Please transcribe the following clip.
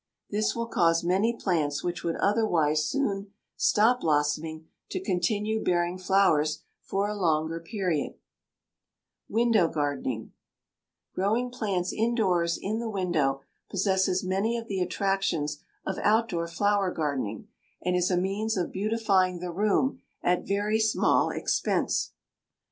This will cause many plants which would otherwise soon stop blossoming to continue bearing flowers for a longer period. [Illustration: FIG. 108. A WINDOW GARDEN] =Window Gardening.= Growing plants indoors in the window possesses many of the attractions of outdoor flower gardening, and is a means of beautifying the room at very small expense.